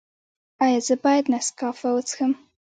ایا زه باید نسکافه وڅښم؟